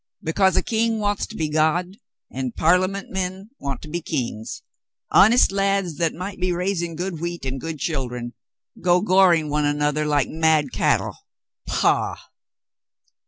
"Because a king wants to be God, and Parliament men want to .be kings, honest lads that might be raising good wheat and good children go goring one another like mad cattle — pah!